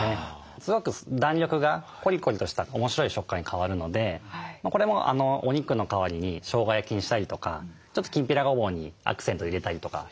すごく弾力がコリコリとした面白い食感に変わるのでこれもお肉の代わりにしょうが焼きにしたりとかちょっときんぴらごぼうにアクセント入れたりとかしてもおいしいですね。